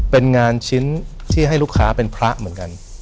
เป็นงานชิ้นที่ให้ลูกค้าเป็นพระเหมือนกัน